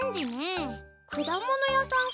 くだものやさんかな？